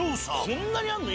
こんなにあるの？